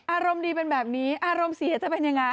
อารมณ์ดีเป็นแบบนี้อารมณ์เสียจะเป็นยังไง